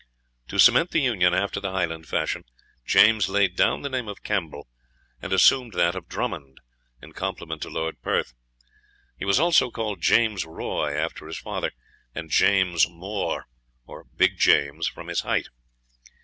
To cement the union after the Highland fashion, James laid down the name of Campbell, and assumed that of Drummond, in compliment to Lord Perth. He was also called James Roy, after his father, and James Mhor, or Big James, from his height.